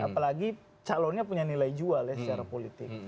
apalagi calonnya punya nilai jual ya secara politik